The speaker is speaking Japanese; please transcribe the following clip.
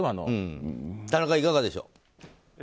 田中、いかがでしょう。